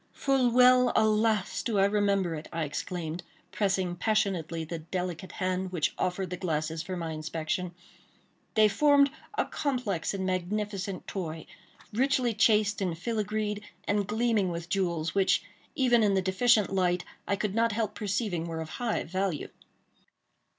"Full well—alas! do I remember it," I exclaimed, pressing passionately the delicate hand which offered the glasses for my inspection. They formed a complex and magnificent toy, richly chased and filigreed, and gleaming with jewels, which, even in the deficient light, I could not help perceiving were of high value.